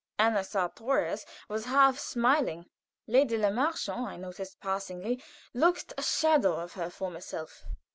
Anna Sartorius was half smiling. Lady Le Marchant, I noticed, passingly, looked the shadow of her former self.